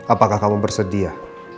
apakah kamu bersedia